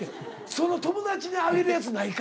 その友達にあげるやつないか？